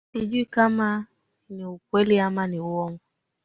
Sijui kama ni ukweli ama ni uongo.